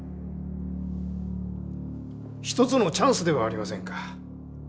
一つのチャンスではありませんか。